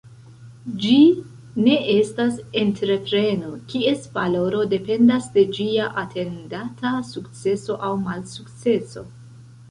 Ĝi ne estas entrepreno, kies valoro dependas de ĝia atendata sukceso aŭ malsukceso.